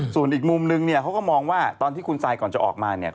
ส่วนอีกมุมหนึ่งเขาก็มองว่าตอนที่คุณไซค์ก่อนจะออกมา